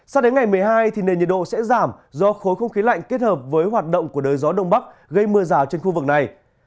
sao đến ngày một mươi hai thì nền nhiệt độ sẽ giảm do khối không khí lạnh kết hợp với hoạt động của đới gió đông bắc gây mưa rào trên khu vực này